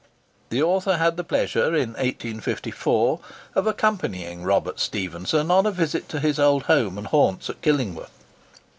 The author had the pleasure, in the year 1854, of accompanying Robert Stephenson on a visit to his old home and haunts at Killingworth.